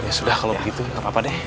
ya sudah kalau begitu nggak apa apa deh